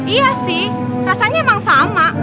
iya sih rasanya emang sama